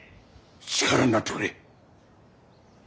力になってくれ。